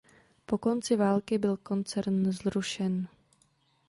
Po konci války byl koncern zrušen.